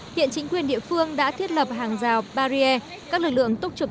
hiện chính quyền địa phương đã thiết lập hàng rào barrier các lực lượng túc trực